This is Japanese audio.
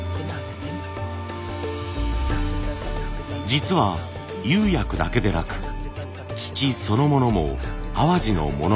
実は釉薬だけでなく土そのものも淡路のものなんです。